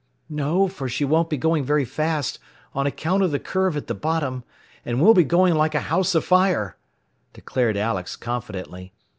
"No, for she won't be going very fast, on account of the curve at the bottom, and we'll be going like a house afire," declared Alex, confidently.